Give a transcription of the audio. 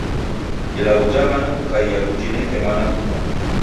Ilagho ja mana kukaia kujineke mana kumoni.